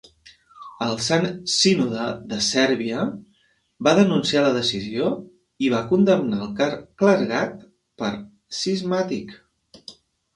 El Sant Sínode de Sèrbia va denunciar la decisió i va condemnar al clergat per cismàtic.